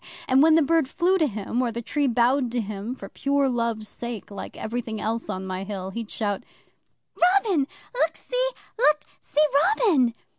And when the bird flew to him, or the tree bowed to him for pure love's sake (like everything else on my Hill), he'd shout, "Robin! Look see! Look, see, Robin!"